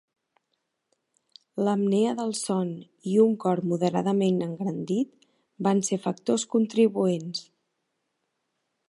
L'apnea del son i un "cor moderadament engrandit" van ser factors contribuents.